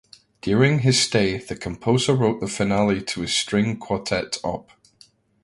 During his stay the composer wrote the finale to his String Quartet Op.